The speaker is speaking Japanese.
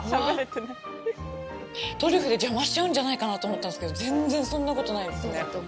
トリュフで邪魔しちゃうんじゃないかなと思ったんですけど全然そんなことないですね。